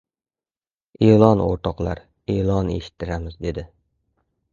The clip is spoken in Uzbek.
— E’lon, o‘rtoqlar, e’lon eshittiramiz! — dedi.